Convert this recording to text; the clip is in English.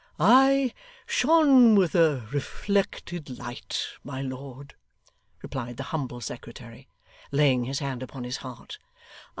'I shone with a reflected light, my lord,' replied the humble secretary, laying his hand upon his heart.